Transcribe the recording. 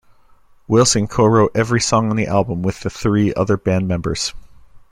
Wilson co-wrote every song on the album with the three other band members.